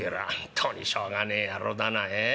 っとにしょうがねえ野郎だなええ？